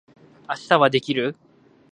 明日はできる？